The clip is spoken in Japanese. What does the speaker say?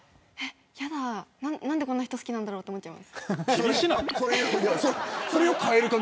やだ、何でこんな人好きなんだろうと思っちゃう。